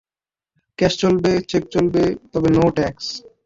Cash চলবে, cheque চলবে, তবে নো ট্যাক্স।